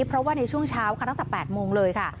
เพราะว่าในช่วงเช้าค่ะตั้งแต่๘โมงเลยค่ะ